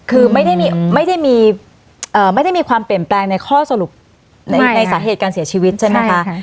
คือไม่ได้มีความเปลี่ยนแปลงในข้อสรุปในสาเหตุการเสียชีวิตใช่ไหมคะ